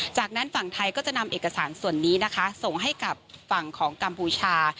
จากนั้นฝั่งไทยก็จะนำเอกสารส่วนนี้นะคะส่งให้กับฝั่งของกัมพูชา